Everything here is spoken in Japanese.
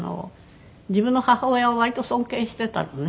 自分の母親を割と尊敬してたのね。